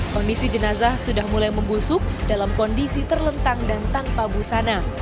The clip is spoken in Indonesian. kondisi jenazah sudah mulai membusuk dalam kondisi terlentang dan tanpa busana